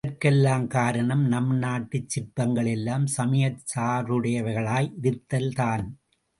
இதற்கெல்லாம் காரணம் நம் நாட்டுச் சிற்பங்கள் எல்லாம் சமயச் சார்புடையவைகளாய் இருத்தல் தான்.